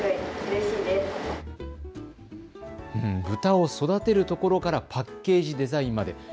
豚を育てるところから、パッケージデザインまで。